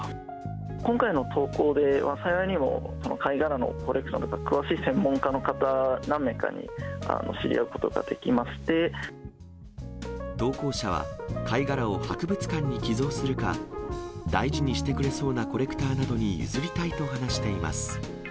今回の投稿では、幸いにも、この貝殻のコレクション、詳しい専門家の方、何人かに知り合うこ投稿者は、貝殻を博物館に寄贈するか、大事にしてくれそうなコレクターなどに譲りたいと話しています。